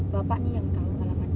bapak ini yang tahu malamannya